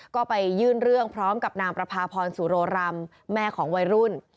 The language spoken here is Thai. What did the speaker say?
ก็ไปยื่นเรื่องพร้อมกับนางประพาพรสุโรรำแม่ของวัยรุ่น